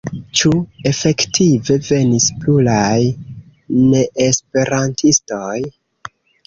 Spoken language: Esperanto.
Ĉu efektive venis pluraj neesperantistoj?